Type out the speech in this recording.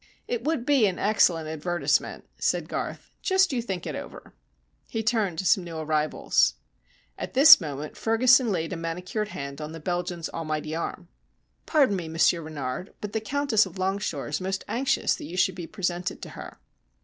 "It would be an excellent advertisement," said Garth. "Just you think it over." He turned to some new arrivals. At this moment Ferguson laid a manicured hand on the Belgian's almighty arm. "Pardon me, Monsieur Renard, but the Countess of Longshore is most anxious that you should be presented to her."